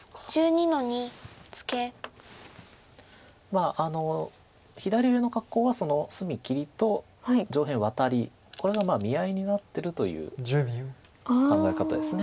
まあ左上の格好は隅切りと上辺ワタリこれが見合いになってるという考え方です